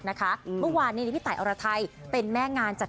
บางวันนี้พี่ใตรอรไท่เป็นแม่งานจาก